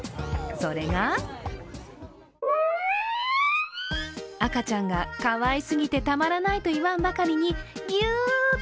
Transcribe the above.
それが赤ちゃんがかわいすぎてたまらないと言わんばかりに、ギュー！